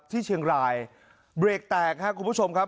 ที่เชียงรายเบรกแตกครับคุณผู้ชมครับ